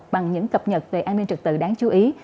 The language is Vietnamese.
bằng những cập nhật về an ninh trực tự đáng chú ý